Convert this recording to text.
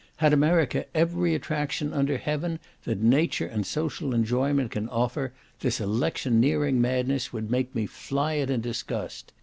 Had America every attraction under heaven that nature and social enjoyment can offer, this electioneering madness would make me fly it in disgust.